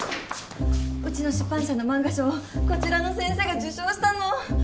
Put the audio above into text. うちの出版社の漫画賞をこちらの先生が受賞したの！